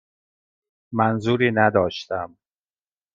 منظوری نداشتم.